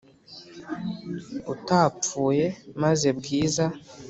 utapfuye maze bwiza